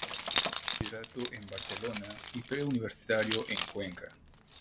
Estudió bachillerato en Barcelona y preuniversitario en Cuenca.